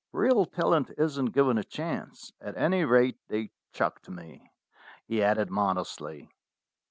Real talent isn't given a chance. At any rate, they chucked me," he added modestly.